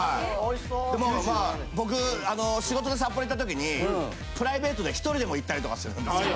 でもまあ僕仕事で札幌行った時にプライベートで１人でも行ったりとかしてるんですよ。